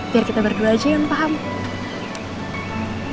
biar kita berdua aja yang paham